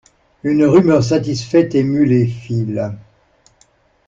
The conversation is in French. Une rumeur satisfaite émut les files.